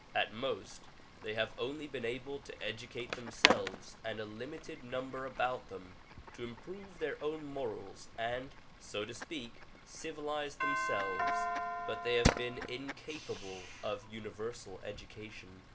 At most they have only been able to educate themselves and a limited number about them, to improve their own morals and, so to speak, civilize themselves; but they have been incapable of universal education.